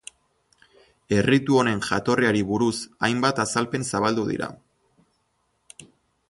Erritu honen jatorriari buruz hainbat azalpen zabaldu dira.